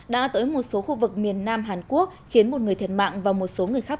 đã tới một số khu vực miền nam hàn quốc khiến một người thiệt mạng và một số người khác